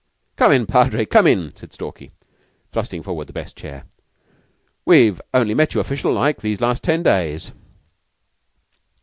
"Come in, Padre, come in," said Stalky, thrusting forward the best chair. "We've only met you official like these last ten days."